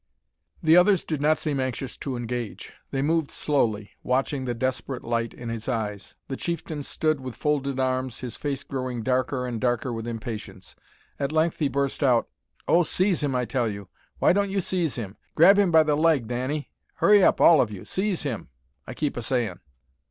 The others did not seem anxious to engage. They moved slowly, watching the desperate light in his eyes. The chieftain stood with folded arms, his face growing darker and darker with impatience. At length he burst out: "Oh, seize him, I tell you! Why don't you seize him? Grab him by the leg, Dannie! Hurry up, all of you! Seize him, I keep a say in'!"